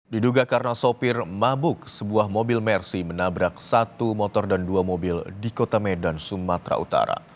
diduga karena sopir mabuk sebuah mobil mersi menabrak satu motor dan dua mobil di kota medan sumatera utara